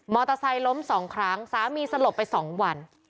เตอร์ไซค์ล้มสองครั้งสามีสลบไป๒วัน